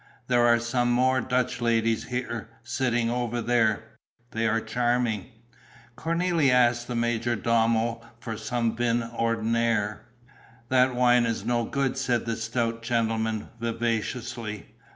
"There are some more Dutch ladies here, sitting over there: they are charming." Cornélie asked the major domo for some vin ordinaire. "That wine is no good," said the stout gentleman, vivaciously.